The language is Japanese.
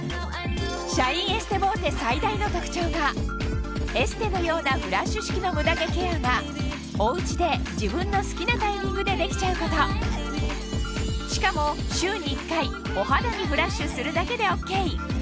シャインエステボーテ最大の特徴がエステのようなフラッシュ式のムダ毛ケアがおうちで自分の好きなタイミングでできちゃうことしかもまず。